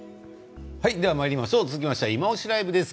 続きまして「いまオシ！ＬＩＶＥ」です。